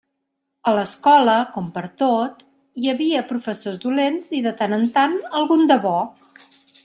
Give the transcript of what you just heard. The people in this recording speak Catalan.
A l'escola, com pertot, hi havia professors dolents i, de tant en tant, algun de bo.